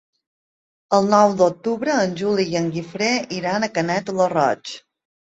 El nou d'octubre en Juli i en Guifré iran a Canet lo Roig.